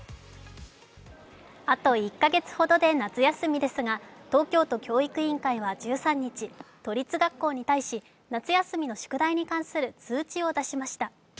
あと１か月ほどで夏休みですが、東京都教育委員会は１３日、都立学校に対し夏休みの宿題に関する通知を出しました。